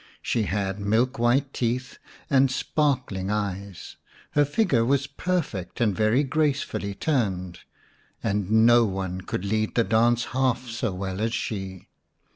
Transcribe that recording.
She had milk white teeth and sparkling eyes, her figure was perfect and very gracefully turned, and no one could lead the dance half so well as she.